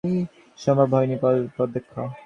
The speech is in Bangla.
খুব বেশী নির্মম হওয়া তাদের পক্ষে সম্ভব হয়নি।